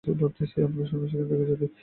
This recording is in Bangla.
ভাবটি এই যে, আমরা সন্ন্যাস-কেন্দ্রিক জাতি।